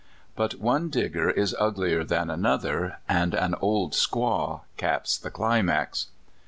But one Digger is uglier than another, and an old squaw caps the climax.